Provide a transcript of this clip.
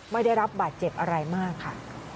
ไม่ได้รับบาดเจ็บอะไรมากค่ะ